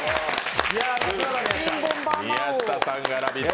宮下さんがラヴィット！